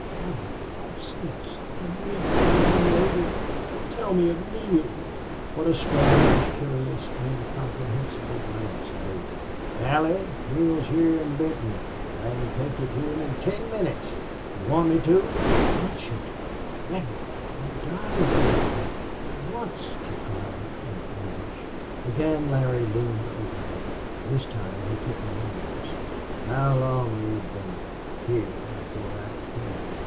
"Larry, talk sense. I'm weak from long waiting. Oh, tell me of Neale!" What a strange, curious, incomprehensible glance he gave her! "Allie Neale's heah in Benton. I can take you to him in ten minutes. Do you want me to?" "Want you to!... Reddy! I'll die if you don't take me at once!" she cried, in anguish. Again Larry loomed over her. This time he took her hands. "How long had you been heah before I came?"